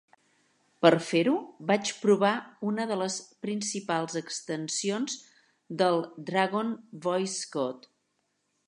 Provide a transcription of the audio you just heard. Per fer-ho, vaig provar una de les principals extensions del Dragon, Voice Code.